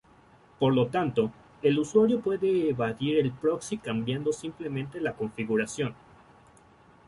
Por lo tanto, el usuario puede evadir el proxy cambiando simplemente la configuración.